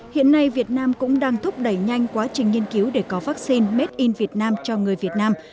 hiện nay việt nam cũng đang thúc đẩy nhanh quá trình nghiên cứu để có vaccine made in vietnam cho người việt nam